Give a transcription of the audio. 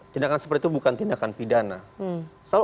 tindakan seperti itu bukan tindakan pidana